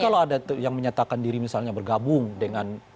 jadi kalau ada yang menyatakan diri misalnya bergabung dengan